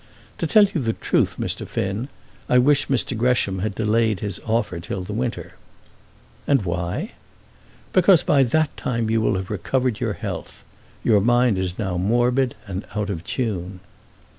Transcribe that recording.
To tell you the truth, Mr. Finn, I wish Mr. Gresham had delayed his offer till the winter." "And why?" "Because by that time you will have recovered your health. Your mind now is morbid, and out of tune."